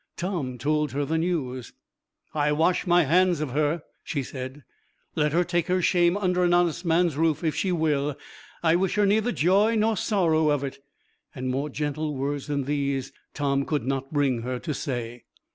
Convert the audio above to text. Tom told her the news. 'I wash my hands of her,' she said. 'Let her take her shame under an honest man's roof if she will. I wish her neither joy nor sorrow of it.' And more gentle words than these Tom could not bring her to say.